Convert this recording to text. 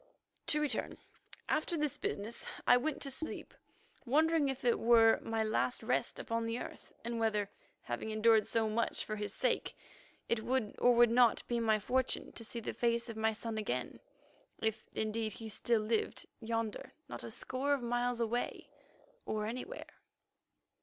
To return. After this business I went to sleep, wondering if it were my last rest upon the earth, and whether, having endured so much for his sake, it would or would not be my fortune to see the face of my son again, if, indeed, he still lived, yonder not a score of miles away—or anywhere.